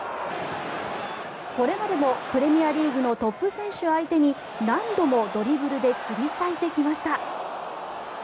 これまでもプレミアリーグのトップ選手相手に何度もドリブルで切り裂いてきました。